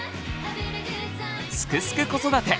「すくすく子育て」